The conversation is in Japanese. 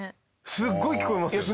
すごい聞こえますよね。